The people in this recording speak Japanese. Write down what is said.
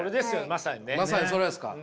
まさにそれですか？